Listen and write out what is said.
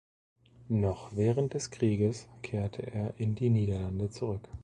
Noch während des Krieges kehrte er in die Niederlande zurück.